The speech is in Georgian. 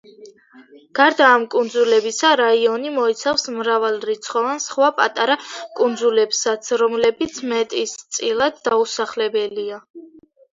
გარდა ამ კუნძულებისა რაიონი მოიცავს მრავალრიცხოვან სხვა პატარა კუნძულებსაც, რომლებიც მეტწილად დაუსახლებელია.